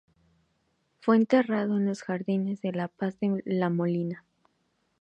Fue enterrado en los Jardines de la Paz de La Molina.